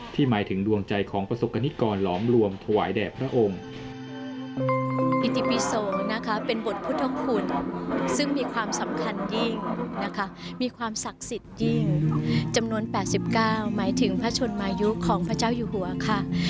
หมายถึงดวงใจของประสบกรณิกรหลอมรวมถวายแด่พระองค์